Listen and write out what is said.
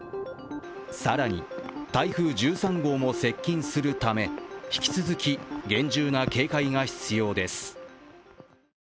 更に台風１３号も接近するため引き続き厳重な警戒が必要です。